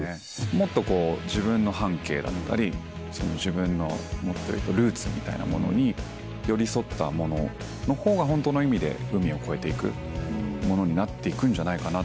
もっとこう自分の半径だったり自分のもっと言うとルーツみたいなものに寄り添ったものの方がホントの意味で海を越えていくものになっていくんじゃないかなと。